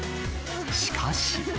しかし。